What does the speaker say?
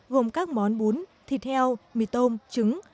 gồm các món bún thịt heo mì tôm trứng